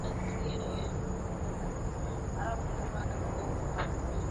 kupitia madhehebu ya Kikatoliki hadi leo hii